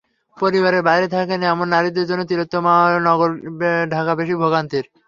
পরিবারের বাইরে থাকেন এমন নারীদের জন্য তিলোত্তমা নগর ঢাকা বেশি ভোগান্তির।